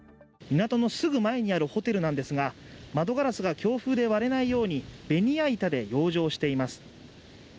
港のすぐ前にあるホテルなんですが窓ガラスが強風で割れないように、ベニヤ板で養生しています。